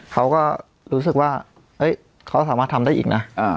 เขาก็รู้สึกว่าเขาสามารถทำได้อีกนะ